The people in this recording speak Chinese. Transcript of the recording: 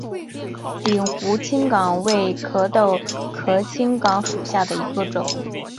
鼎湖青冈为壳斗科青冈属下的一个种。